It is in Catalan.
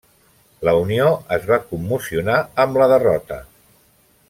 La Unió es va commocionar amb la derrota.